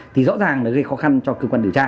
thì rõ ràng là gây khó khăn cho cơ quan điều tra